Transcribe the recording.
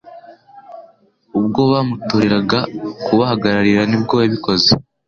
ubwo bamutoreraga kubahagararira nibwo yabikoze